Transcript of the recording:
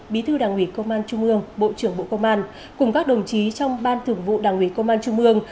bí thư đảng ủy công an trung ương bộ trưởng bộ công an cùng các đồng chí trong ban thưởng vụ đảng ủy công an trung ương